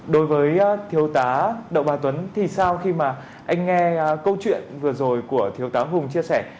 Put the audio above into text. đối với thiếu tá đậu bà tuấn thì sau khi mà anh nghe câu chuyện vừa rồi của thiếu tá hùng chia sẻ